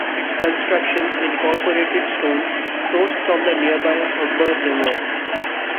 Its construction incorporated stones sourced from the nearby Humber River.